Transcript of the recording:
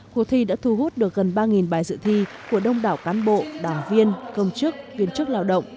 cuộc thi đã thu hút được gần ba bài dự thi của đông đảo cán bộ đảng viên công chức viên chức lao động